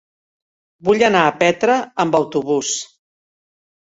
Vull anar a Petra amb autobús.